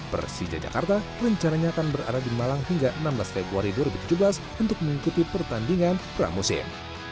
persija jakarta rencananya akan berada di malang hingga enam belas februari dua ribu tujuh belas untuk mengikuti pertandingan pramusim